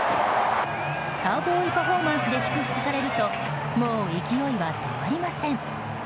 カウボーイパフォーマンスで祝福されるともう勢いは止まりません。